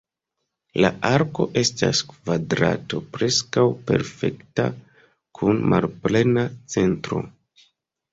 La arko estas kvadrato preskaŭ perfekta, kun malplena centro.